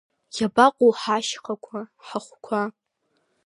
Иабаҟоу ҳашьхақәа, ҳахәқәа…